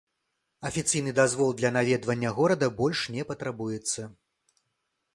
Афіцыйны дазвол для наведвання горада больш не патрабуецца.